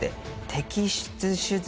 「摘出手術